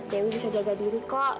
dewi bisa jaga diri kok